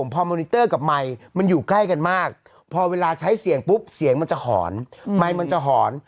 พอมอนิเตอร์กับไมค์มันอยู่ใกล้กันมากพอเวลาใช้เสียงปุ๊บเสียงมันจะหอนไมค์มันจะหอน